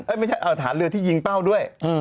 ไม่ใช่เอาฐานเรือที่ยิงเป้าด้วย